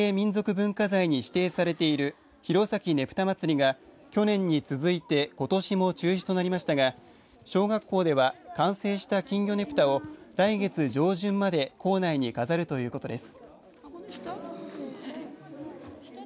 文化財に指定されている弘前ねぷたまつりが去年に続いてことしも中止となりましたが小学校では完成した金魚ねぷたを来月上旬まで校内に飾るということです。